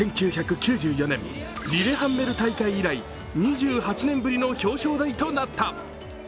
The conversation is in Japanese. １９９４年リレハンメル大会以来２８年ぶりの表彰台となった。